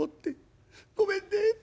ごめんね。